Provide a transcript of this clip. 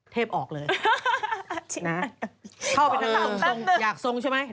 เทพออกเลยนะเข้าไปทำกันอย่าทรงสนุกใช่ไหม